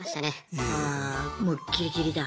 もうギリギリだ。